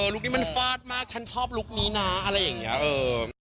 ลุคนี้มันฟาดมากฉันชอบลุคนี้นะอะไรอย่างนี้